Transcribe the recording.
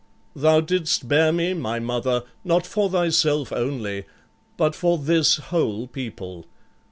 Thou didst bear me, my mother, not for thyself only, but for this whole people.